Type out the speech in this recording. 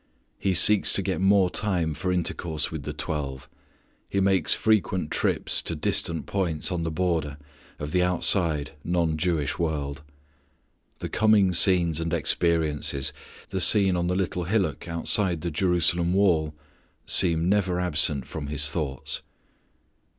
He seeks to get more time for intercourse with the twelve. He makes frequent trips to distant points on the border of the outside, non Jewish world. The coming scenes and experiences the scene on the little hillock outside the Jerusalem wall seem never absent from His thoughts.